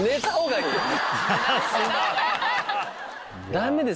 ダメです